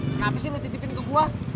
kenapa sih lo titipin ke gue